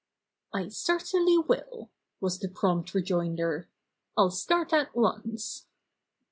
"I certainly will," was the prompt re joinder. "I'll start at once."